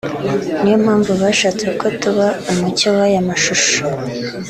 niyo mpamvu bashatse ko tuba umucyo w’aya mashusho